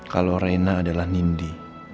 kalau reyna adalah nindi